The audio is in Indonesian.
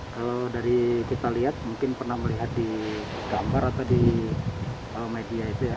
kalau dari kita lihat mungkin pernah melihat di gambar atau di media itu ya